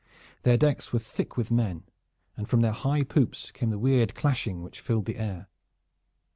Their decks were thick with men, and from their high poops came the weird clashing which filled the air.